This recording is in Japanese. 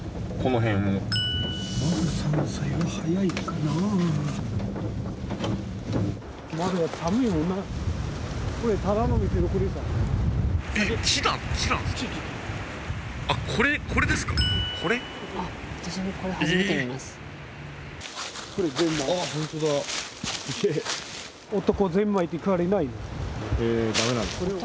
へえ駄目なんですか？